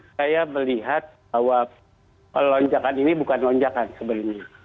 saya melihat bahwa lonjakan ini bukan lonjakan sebenarnya